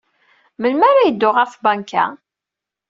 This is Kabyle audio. Melmi ara yeddu ɣer tbanka?